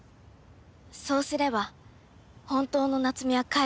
そうすれば本当の夏美は帰ってくる。